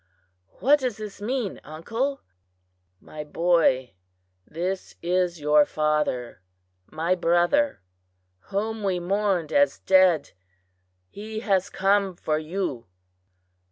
"What does this mean, uncle?" "My boy, this is your father, my brother, whom we mourned as dead. He has come for you."